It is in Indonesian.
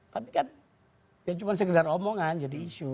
tapi kan ya cuma sekedar omongan jadi isu